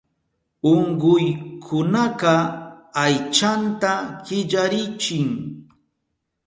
Unkuykunaka aychanta killarichin.